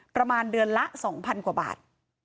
ประมาณเดือนละ๒๐๐๐กว่าบาท